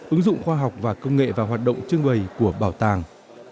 ứng dụng khoa học và công nghệ và hoạt động chương trình của bảo tàng